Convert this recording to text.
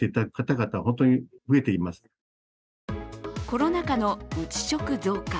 コロナ禍の内食増加。